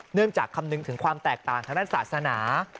เนื่องจากคำนึงถึงความแตกต่างทางด้านศาสนา